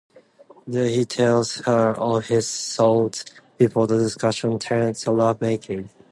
There he tells her of his thoughts, before the discussion turns to love-making.